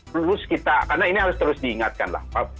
lulus kita karena ini harus terus diingatkan lah